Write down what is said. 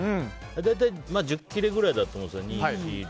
大体、１０切れくらいだと思うんですよ。